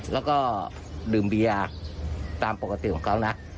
แล้วก็ดื่มเบียร์ตามปกติของเขานะ